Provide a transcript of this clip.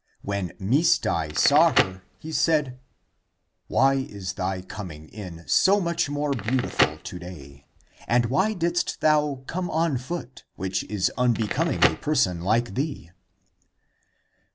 When Misdai saw her, he said, " Why is thy com ing in so much more beautiful to day? And why didst thou come on foot, which is unbecoming a per son like thee?"